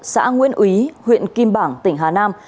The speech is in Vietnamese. xã nguyễn úy huyện kim bảng tỉnh hà nam